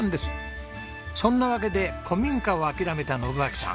そんなわけで古民家を諦めた信秋さん。